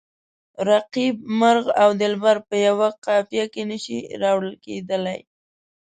رقیب، مرغ او دلبر په یوه قافیه کې نه شي راوړل کیدلای.